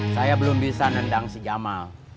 saya belum bisa nendang si jamal